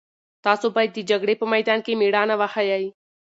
تاسو باید د جګړې په میدان کې مېړانه وښيئ.